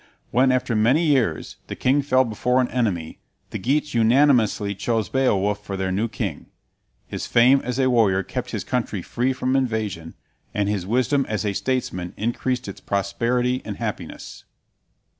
When, after many years, the king fell before an enemy, the Geats unanimously chose Beowulf for their new king. His fame as a warrior kept his country free from invasion, and his wisdom as a statesman increased its prosperity and happiness.